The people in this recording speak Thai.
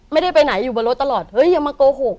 ไม่ได้ไปไหนอยู่บนรถตลอดเฮ้ยอย่ามาโกหก